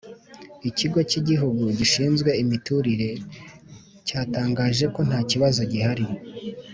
ikigo cy igihugu gishinzwe imiturire cyatangajeko ntakibazo gihari